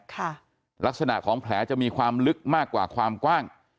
ค่ะลักษณะของแผลจะมีความลึกมากกว่าความกว้าง